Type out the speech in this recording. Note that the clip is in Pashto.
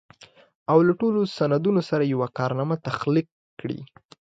او له ټولو سندونو سره يوه کارنامه تخليق کړي.